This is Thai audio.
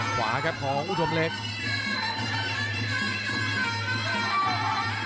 ขวาครับของอุดมเล็ก